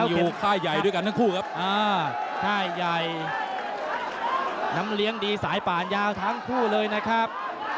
ตามอยู่ค่ายใหญ่ด้วยกันทั้งคู่ครับ